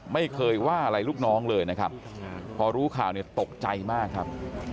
ไม่เคยว่าอะไรลูกน้องเลยนะครับพอรู้ข่าวเนี่ยตกใจมากครับ